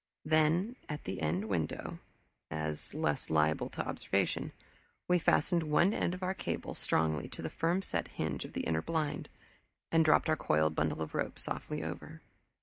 Then at an end window, as less liable to observation, we fastened one end of our cable, strongly, to the firm set hinge of the inner blind, and dropped our coiled bundle of rope softly over.